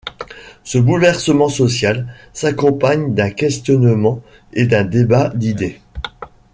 Ce bouleversement social s'accompagne d'un questionnement et d'un débat d'idées.